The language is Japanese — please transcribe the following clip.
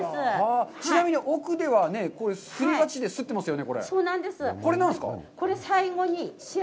ちなみに奥ではすり鉢ですっていますね。